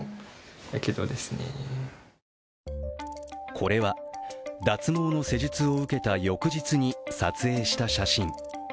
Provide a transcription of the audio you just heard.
これは脱毛の施術を受けた翌日に撮影した写真。